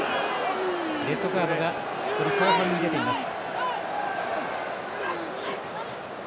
レッドカードが後半に出ています。